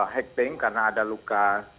hekting karena ada luka